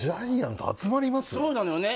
まずそうなのよね